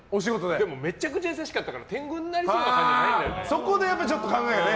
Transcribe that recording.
でもめちゃくちゃ優しかったから天狗になりそうなそこで考えがね。